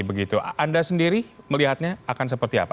bagaimana menurut anda